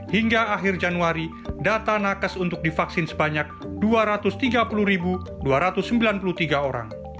hingga akhir januari data nakes untuk divaksin sebanyak dua ratus tiga puluh dua ratus sembilan puluh tiga orang